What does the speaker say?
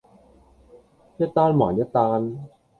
一單還一單